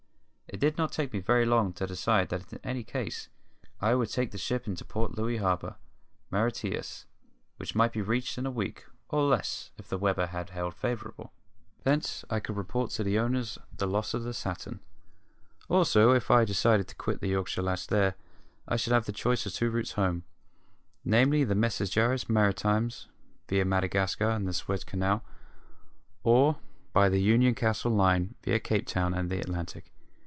It did not take me very long to decide that in any case I would take the ship into Port Louis Harbour, Mauritius, which might be reached in a week, or less if the weather held favourable. Thence I could report to the owners the loss of the Saturn. Also, if I decided to quit the Yorkshire Lass there, I should have the choice of two routes home, namely by Messageries Maritimes, via Madagascar and the Suez Canal; or by the Union Castle Line, via Cape Town and the Atlantic.